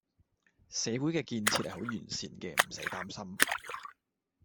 社會嘅建設係好完善嘅，唔駛擔心